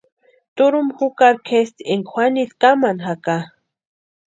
Turhumpa jukari kʼesti énka Juanitu kamani jaka.